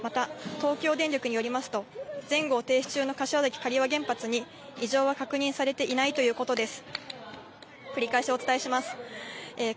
東京電力によりますと、全号停止中の柏崎刈羽原発に異常は確認されていないということです。